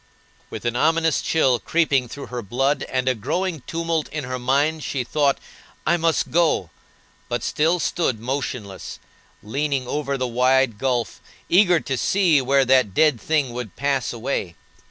With an ominous chill creeping through her blood, and a growing tumult in her mind, she thought, "I must go," but still stood motionless, leaning over the wide gulf, eager to see where that dead thing would pass away.